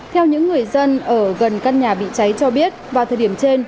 theo những người dân ở gần căn nhà bị cháy cho biết vào thời điểm trên